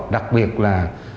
đặc biệt là